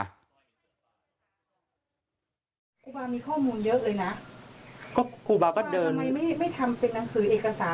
ครูบามีข้อมูลเยอะเลยนะก็ครูบาก็เดินทำไมไม่ไม่ทำเป็นหนังสือเอกสาร